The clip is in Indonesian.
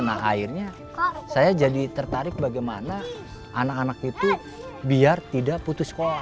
nah akhirnya saya jadi tertarik bagaimana anak anak itu biar tidak putus sekolah